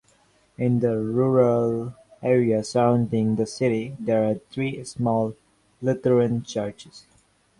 In the rural area surrounding the city, there are three small Lutheran churches.